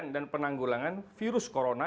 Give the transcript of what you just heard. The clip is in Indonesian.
dan penanggulangan virus corona